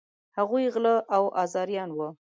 هغوی غله او آزاریان وه.